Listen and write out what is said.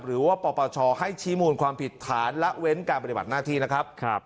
หรือว่าปปชให้ชี้มูลความผิดฐานละเว้นการปฏิบัติหน้าที่นะครับ